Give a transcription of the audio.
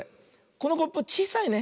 このコップちいさいね。